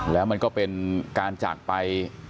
แล้วมันก็เป็นการจากไป